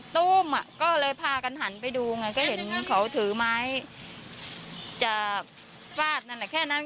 ตู้มอ่ะก็เลยพากันหันไปดูไงก็เห็นเขาถือไม้จะแค่นั้น